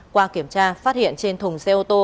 qua kiểm tra phát hiện trên thùng xe ô tô